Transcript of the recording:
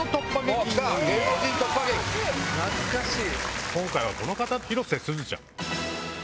懐かしい！